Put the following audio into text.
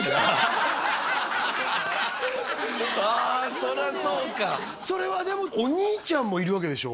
そりゃそうかそれはでもお兄ちゃんもいるわけでしょ？